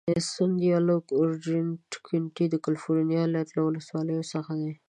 سن دیاګو او اورینج کونټي د کالفرنیا ایالت له ولسوالیو څخه دي.